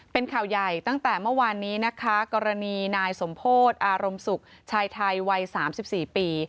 เป็นข่าวใหญ่ตั้งแต่เมื่อวานนี้นะคะกรณีนายสมโพธิอารมณ์สุขชายไทยวัย๓๔ปี